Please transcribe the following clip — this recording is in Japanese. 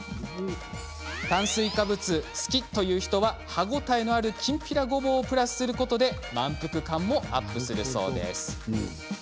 炭水化物好きの人は歯応えのあるきんぴらごぼうをプラスすることで満腹感もアップします。